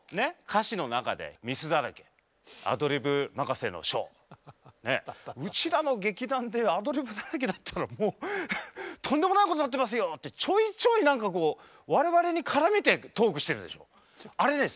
歌詞の中で「うちらの劇団でアドリブだらけだったらもうとんでもないことなってますよ」ってちょいちょい何かこう我々に絡めてトークしてるでしょ。